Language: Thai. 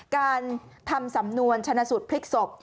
การทำสำนวนชนะสูตรพลิกศพ